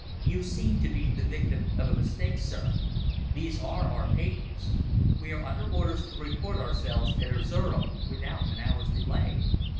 "You seem to be the victim of a mistake, sir. These are our papers. We are under orders to report ourselves at Erzerum without an hour's delay.